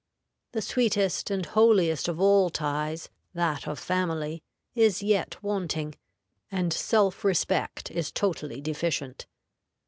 The sweetest and holiest of all ties, that of family, is yet wanting, and self respect is totally deficient.